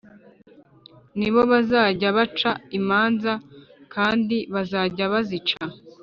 Ni bo bazajya baca imanza b kandi bazajya bazica